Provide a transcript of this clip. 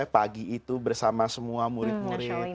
pagi itu bersama semua murid murid